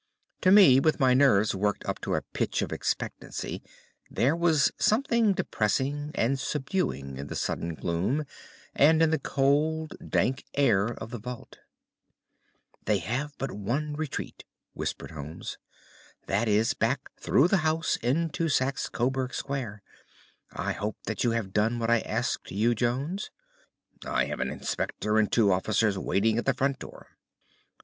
To me, with my nerves worked up to a pitch of expectancy, there was something depressing and subduing in the sudden gloom, and in the cold dank air of the vault. "They have but one retreat," whispered Holmes. "That is back through the house into Saxe Coburg Square. I hope that you have done what I asked you, Jones?" "I have an inspector and two officers waiting at the front door."